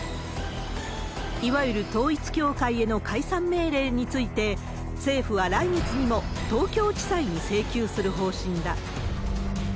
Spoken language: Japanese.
いわゆる統一教会への解散命令について、政府は来月にも東京地裁に請求する方針だ。